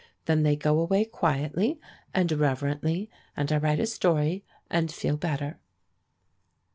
Then they go away quietly and reverently, and I write a story and feel better.